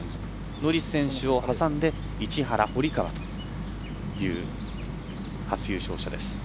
ノリス選手を挟んで市原、堀川という初優勝者です。